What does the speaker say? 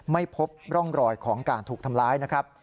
ไม่พบร่องรอยของการถูกทำร้ายนะครับ